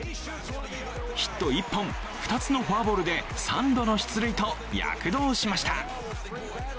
ヒット１本、２つのフォアボールで３度の出塁と躍動しました。